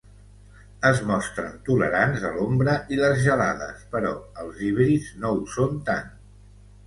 Es mostren tolerants a l'ombra i les gelades però els híbrids no ho són tant.